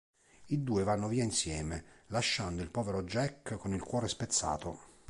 I due vanno via insieme, lasciando il povero Jack con il cuore spezzato.